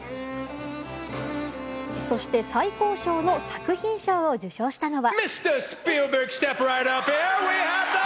そして、最高賞の作品賞を受賞したのは。